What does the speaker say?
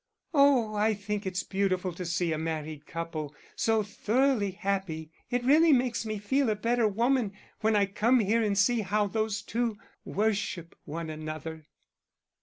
"Oh, I think it's beautiful to see a married couple so thoroughly happy. It really makes me feel a better woman when I come here and see how those two worship one another."